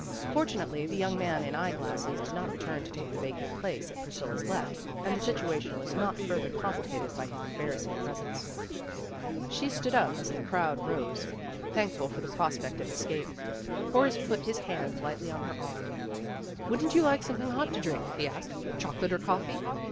Fortunately the young man in eye glasses did not return to take the vacant place at Priscilla 's left, and the situation was not further complicated by his embarrassing presence. She stood up as the crowd rose, thankful for the prospect of escape. Horace put his hand 208 PEGGY RAYMOND'S WAY lightly on her arm. "Wouldn't you like some thing hot to drink!" he asked. "Chocolate or coffee?"